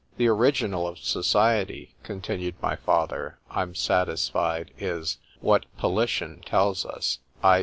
_ The original of society, continued my father, I'm satisfied is, what Politian tells us, _i.